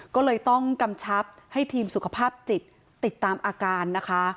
ก็เลยต้องกำชับให้ทีมสุขภาพจิตติดตามอาการนะคะ